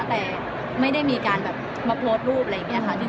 แต่ไม่ได้มีการแบบมาโพสต์รูปอะไรอย่างนี้ค่ะ